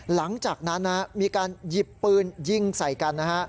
หลังจากนั้นมีการหยิบปืนยิงใส่กันนะฮะ